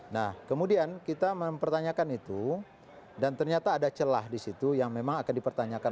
nah kemudian kita mempertanyakan itu dan ternyata ada celah di situ yang memang akan dipertanyakan